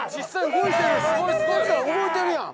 動いてるやん！